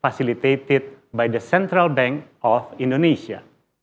yang dilaksanakan oleh bank sentral indonesia